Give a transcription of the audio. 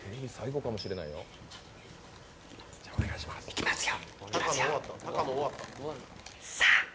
いきますよ。